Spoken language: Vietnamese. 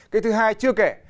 cái thứ hai chưa kể